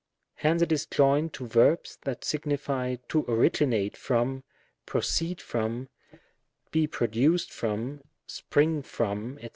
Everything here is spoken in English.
Hence it is joined to verbs that sig nify to originate from, proceed from, be produced from, spring from, &c.